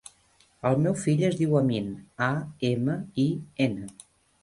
El meu fill es diu Amin: a, ema, i, ena.